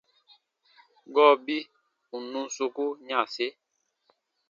Gɔɔbi ù nùn soku yanse.